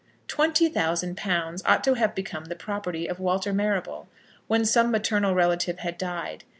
Twenty thousand pounds ought to have become the property of Walter Marrable, when some maternal relative had died.